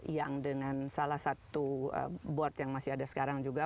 yang dengan salah satu board yang masih ada sekarang juga